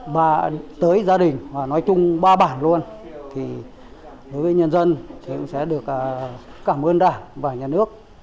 và tới gia đình nói chung ba bản luôn thì đối với nhân dân sẽ được cảm ơn đảng và nhà nước